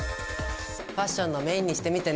ファッションのメインにしてみてね。